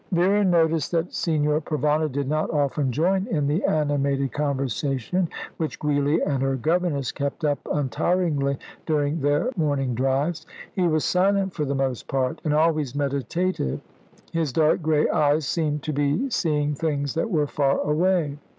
Vera noticed that Signor Provana did not often join in the animated conversation which Giulia and her governess kept up untiringly during their morning drives. He was silent for the most part, and always meditative. His dark grey eyes seemed to be seeing things that were far away.